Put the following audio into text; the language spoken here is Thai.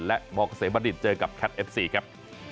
และมเกษมบัณฑิตเจอกับแคทเอฟซีครับ